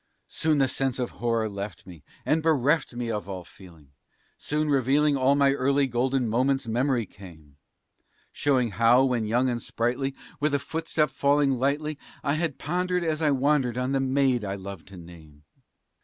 Soon the sense of horror left me, and bereft me of all feeling; Soon, revealing all my early golden moments, memory came; Showing how, when young and sprightly, with a footstep falling lightly, I had pondered as I wandered on the maid I loved to name.